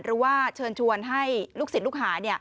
หรือว่าเชิญชวนให้ลูกศิษย์ลูกหา